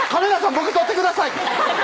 僕撮ってください！